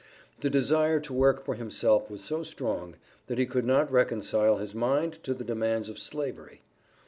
The desire to work for himself was so strong, that he could not reconcile his mind to the demands of Slavery.